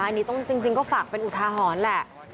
อันนี้จริงก็ฝากเป็นอุทาหรณ์แหละ